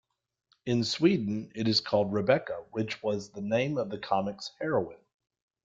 In Sweden it is called "Rebecca", which was the name of the comic's heroine.